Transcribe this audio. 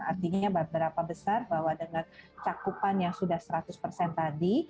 artinya berapa besar bahwa dengan cakupan yang sudah seratus persen tadi